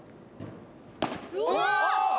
うわ！